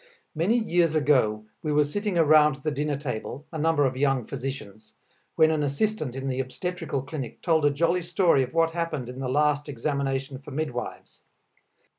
Many years ago we were sitting around the dinner table a number of young physicians when an assistant in the obstetrical clinic told a jolly story of what had happened in the last examination for midwives.